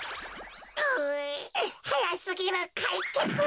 うはやすぎるかいけつ。